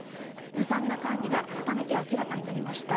ずさんな管理が改めて明らかになりました。